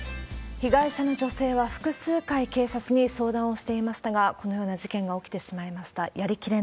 被害者の女性は複数回警察に相談をしていましたが、このような事件が起きてしまいました。